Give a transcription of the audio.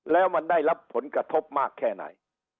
แล้วมันได้รับผลกระทบมากแค่ไหน